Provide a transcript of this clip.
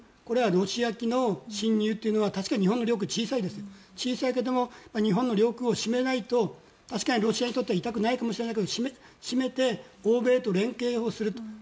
これはロシア機の侵入というのは確かに日本の領空小さいですけど日本の領空を閉めないと確かにロシアにとっては痛くないかもしれないけど閉めて欧米と連携をすると。